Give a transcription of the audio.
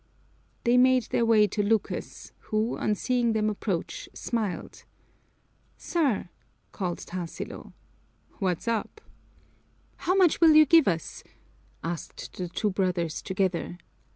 They made their way to Lucas, who, on seeing them approach, smiled. "Sir!" called Tarsilo. "What's up?" "How much will you give us?" asked the two brothers together.